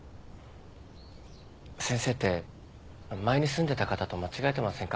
先生って前に住んでた方と間違えてませんか？